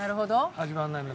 始まらないのよ。